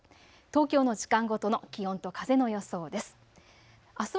東京の時間ごとの気温と風の予想です。